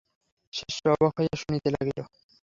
শিষ্য অবাক হইয়া শুনিতে লাগিল।